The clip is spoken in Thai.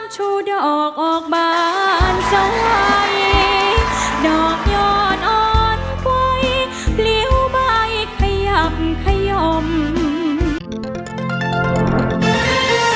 จากที่แบบนี้ก็ยังไม่ได้ยินไปเลยค่ะ